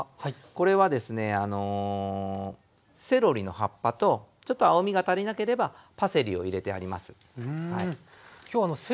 これはですねあのセロリの葉っぱとちょっと青みが足りなければパセリを入れてあります。